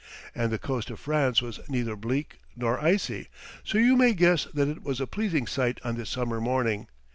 And the coast of France was neither bleak nor icy, so you may guess that it was a pleasing sight on this summer morning.